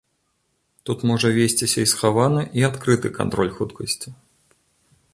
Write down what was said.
Тут можа весціся і схаваны, і адкрыты кантроль хуткасці.